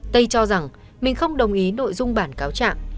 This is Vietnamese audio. tây cho rằng mình không đồng ý nội dung bản cáo trạng